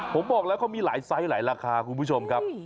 ผมบอกแล้วเขามีหลายไซส์หลายราคาคุณผู้ชมครับ